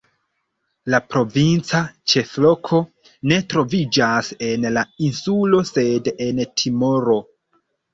La provinca ĉefloko ne troviĝas en la insulo sed en Timoro.